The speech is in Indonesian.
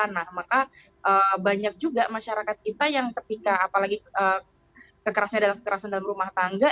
nah maka banyak juga masyarakat kita yang ketika apalagi kekerasan adalah kekerasan dalam rumah tangga